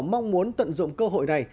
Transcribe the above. mong muốn tận dụng cơ hội này